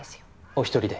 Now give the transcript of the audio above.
お一人で？